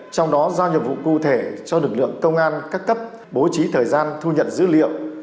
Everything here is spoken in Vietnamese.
trong đó giao nhiệm vụ cụ thể cho lực lượng công an các cấp bố trí thời gian thu nhận dữ liệu